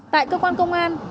tại cơ quan công an